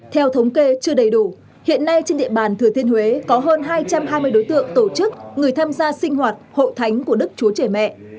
theo thống kê chưa đầy đủ hiện nay trên địa bàn thừa thiên huế có hơn hai trăm hai mươi đối tượng tổ chức người tham gia sinh hoạt hội thánh của đức chúa trẻ mẹ